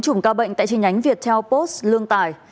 chủng ca bệnh tại chi nhánh viettel post lương tải